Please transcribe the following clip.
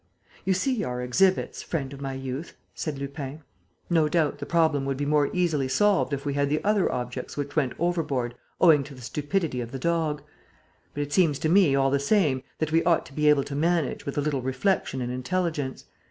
"You see our exhibits, friend of my youth," said Lupin. "No doubt, the problem would be more easily solved if we had the other objects which went overboard owing to the stupidity of the dog. But it seems to me, all the same, that we ought to be able to manage, with a little reflection and intelligence.